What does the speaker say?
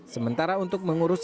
sementara untuk mengurus